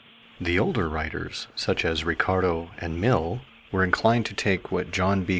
The older writers, such as Ricardo and Mill, were inclined to take what John B.